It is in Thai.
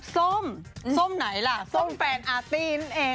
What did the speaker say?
ส้มส้มไหนล่ะส้มแฟนอาร์ตี้นั่นเอง